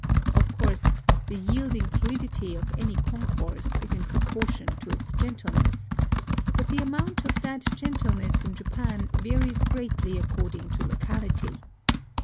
Of course the yielding fluidity of any concourse is in pro portion to its gentleness; but the amount of that gentleness in Japan varies greatly ac cording to locality.